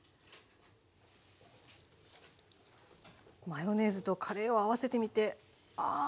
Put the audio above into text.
マヨネーズとカレーを合わせてみてああ